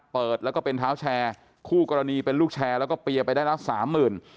เปิดแล้วก็เป็นเท้าแชร์คู่กรณีเป็นลูกแชร์แล้วก็เปียร์ไปได้ละสามหมื่น